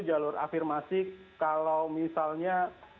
jalur afirmasi kalau misalnya